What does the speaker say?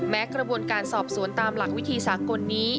กระบวนการสอบสวนตามหลักวิธีสากลนี้